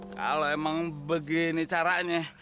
kalau emang begini caranya